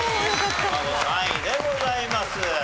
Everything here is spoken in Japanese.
たまご３位でございます。